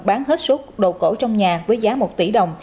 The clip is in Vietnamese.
bán hết sức đồ cổ trong nhà với giá một tỷ đồng